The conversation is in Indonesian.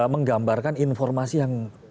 menggambarkan informasi yang